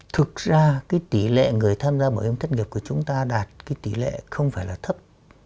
thực ra cái tỷ lệ người tham gia bảo hiểm thất nghiệp của chúng ta đạt cái tỷ lệ không phải là thấp